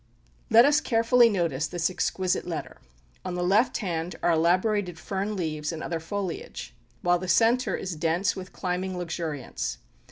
Let us carefully notice this exquisite letter. On the left hand are elaborated fern leaves and other foliage; while the centre is dense with climbing luxuriance.